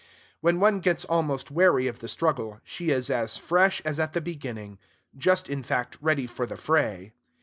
When one gets almost weary of the struggle, she is as fresh as at the beginning, just, in fact, ready for the fray.